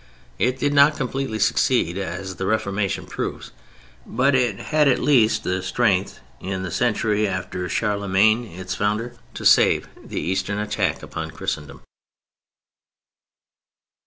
It did not completely succeed, as the Reformation proves; but it had at least the strength in the century after Charlemagne, its founder, to withstand the Eastern attack upon Christendom.